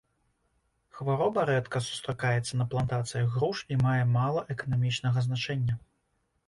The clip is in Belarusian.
Хвароба рэдка сустракаецца на плантацыях груш і мае мала эканамічнага значэння.